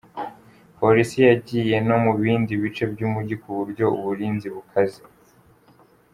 Polisi yagiye no mu bindi bice by’umujyi ku buryo uburinzi bukaze.